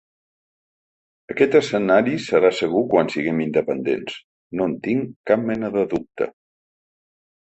Aquest escenari serà segur quan siguem independents, no en tinc cap mena de dubte.